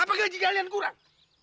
apa gaji kalian kurang